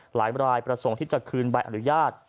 หลายรายประสงค์ที่จะคืนใบอนุญาต